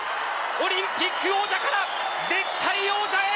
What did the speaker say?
オリンピック王者から絶対王者へ。